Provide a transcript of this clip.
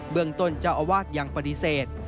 เมืองต้นเจ้าอาวาสยังปฏิเสธ